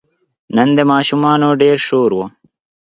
نن د ماشومانو ډېر شور و.